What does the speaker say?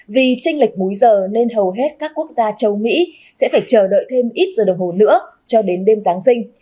vì tranh lệch búi giờ nên hầu hết các quốc gia châu mỹ sẽ phải chờ đợi thêm ít giờ đồng hồ nữa cho đến đêm giáng sinh